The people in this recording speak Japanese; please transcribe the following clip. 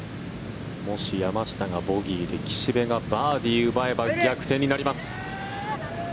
もし山下がボギーで岸部がバーディーを奪えば逆転になります。